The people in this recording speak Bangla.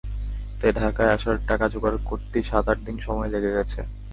তাই ঢাকায় আসার টাকা জোগাড় করতেই সাত-আট দিন সময় লেগে গেছে।